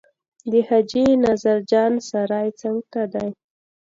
د حاجي نظر جان سرای څنګ ته دی.